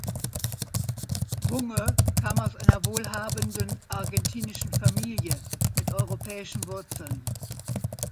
Bunge kam aus einer wohlhabenden argentinischen Familie mit europäischen Wurzeln.